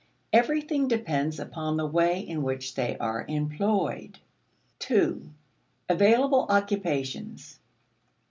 Everything depends upon the way in which they are employed. 2. Available Occupations.